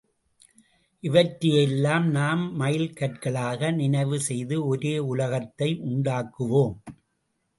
இவற்றை யெல்லாம் நாம் மைல் கற்களாக நினைவு செய்து ஒரே உலகத்தை உண்டாக்குவோம்.